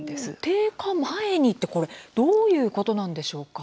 低下前にって、これどういうことなんでしょうか？